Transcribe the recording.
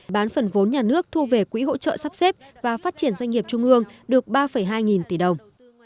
bán phần vốn nhà nước thu về quỹ hỗ trợ sắp xếp và phát triển doanh nghiệp trung ương được ba hai nghìn tỷ đồng